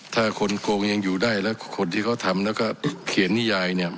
ถ้าคนโกงยังอยู่ได้แล้วคนที่เขาทำแล้วก็เขียนนิยายเนี่ย